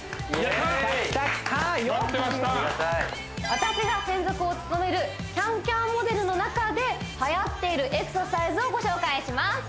私が専属を務めるＣａｎＣａｍモデルの中ではやっているエクササイズをご紹介します